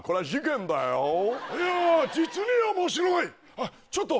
あっちょっと！